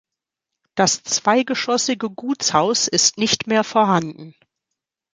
Das zweigeschossige Gutshaus ist nicht mehr vorhanden.